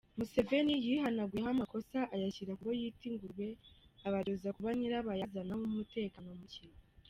Museveni yihanaguyeho amakosa ayashyira ku bo yita “ingurube” abaryoza kuba nyirabayazana w’umutekano muke